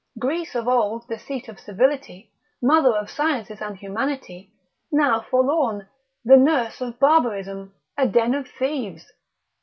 Greece of old the seat of civility, mother of sciences and humanity; now forlorn, the nurse of barbarism, a den of thieves.